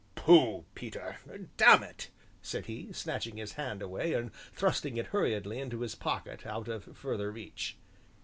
"Pooh, Peter, dammit!" said he, snatching his hand away and thrusting it hurriedly into his pocket, out of farther reach.